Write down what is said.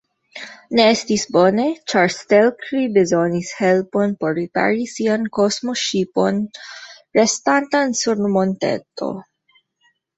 Ne estis bone, ĉar Stelkri bezonis helpon por ripari sian kosmoŝipon restantan sur monteto.